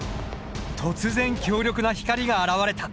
突然強力な光が現れた！